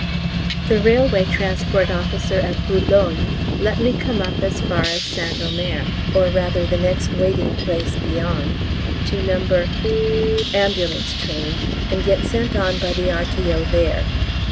The Railway Transport Officer at Boulogne let me come up as far as St Omer (or rather the next waiting place beyond), on No. A.T., and get sent on by the R.T.O. there.